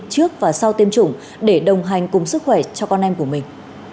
trước và sau tiêm chủng để đồng hành cùng sức khỏe cho con em của mình